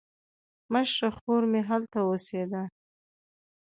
مشره خور مې هلته اوسېده.